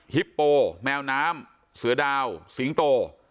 ฮิปโปแมวน้ำเสือดาวสิงโต